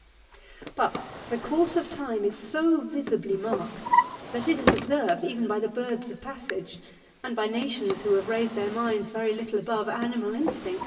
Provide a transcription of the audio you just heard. But the course of time is so visibly marked, that it observed even by the birds of passage, and by nations w have raised their minds very httle above animal instino.